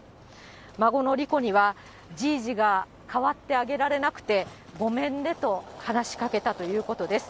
孫の莉子には、じいじが代わってあげられなくて、ごめんねと話しかけたということです。